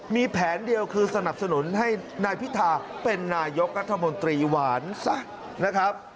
มีแผนเดียวคือสนับสนุนให้นายพิธาเป็นนายกรัฐมนตรีหวานซะนะครับ